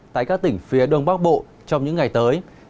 tại các tỉnh phía đông bắc bộ trong những ngày tới